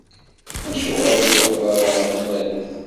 Acuɣer ur tṛuḥeḍ ara ɣer tnarit?